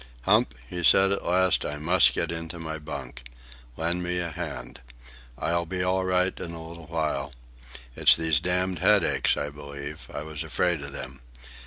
"Hump," he said at last, "I must get into my bunk. Lend me a hand. I'll be all right in a little while. It's those damn headaches, I believe. I was afraid of them.